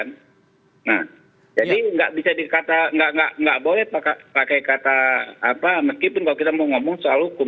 nah jadi tidak boleh pakai kata meskipun kalau kita mau ngomong soal hukum